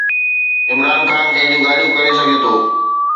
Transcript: عمران خان اهڙيون ڳالهيون ڪري سگهي ٿو.